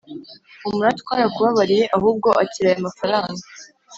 humura twarakubabariye ahubwo akira aya mafaranga